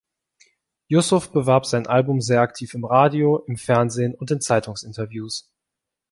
Yusuf bewarb sein Album sehr aktiv im Radio, im Fernsehen und in Zeitungsinterviews.